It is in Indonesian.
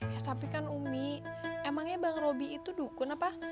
ya tapi kan umi emangnya bang roby itu dukun apa